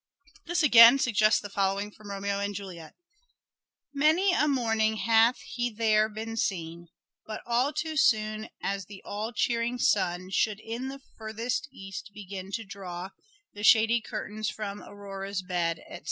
This again suggests the following from " Romeo and Juliet ":—" Many a morning hath he there been seen But all too soon as the all cheering sun Should in the furthest east begin to draw The shady curtains from Aurora's bed, etc."